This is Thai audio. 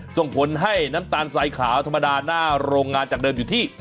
ส่งผลให้น้ำตาลสายขาวธรรมดาหน้าโรงงานจากเดิมอยู่ที่